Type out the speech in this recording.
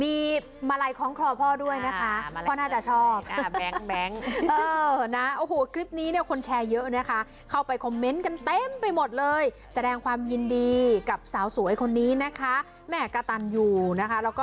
อีกคลิปนึงเขาบอกว่ามีพิธีมอบปริญญาบัตรให้กับผู้ชม